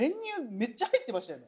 めっちゃ入ってましたよね？